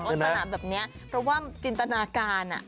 ก็สนามแบบนี้เพราะว่าจินตนาการ